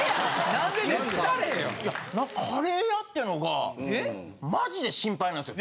なんかカレー屋ってのがマジで心配なんですよ。